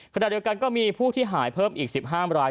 ขณะเดียวกันก็มีผู้ที่หายเพิ่มอีก๑๕ราย